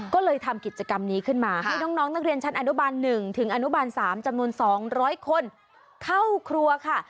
ก็เลยทำกิจกรรมนี้ขึ้นมาให้น้องนักเรียนชั้นอนุบาล๑ถึงอนุบาล๓จำนวน๒๐๐คนเข้าครัวค่ะ